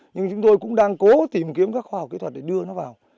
nhưng chúng tôi cũng đang cố tìm kiếm các khoa học kỹ thuật để đưa nó vào